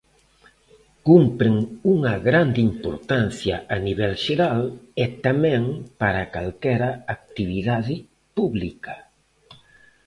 Cumpren unha grande importancia a nivel xeral e tamén para calquera actividade pública.